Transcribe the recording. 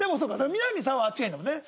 みな実さんはあっちがいいんだもんね？